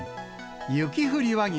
雪降り和牛